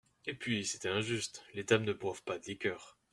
Et puis c’était injuste… les dames ne boivent pas de liqueurs…